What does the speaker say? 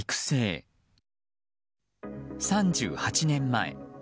３８年前。